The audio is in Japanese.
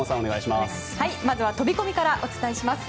まず飛込からお伝えします。